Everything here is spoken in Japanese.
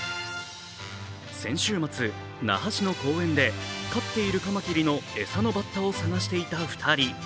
先週末、那覇市の公園で飼っているカマキリの餌のバッタを探していた２人。